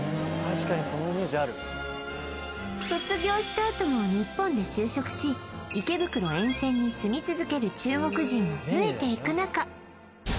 確かに卒業したあとも日本で就職し池袋沿線に住み続ける中国人が増えていく中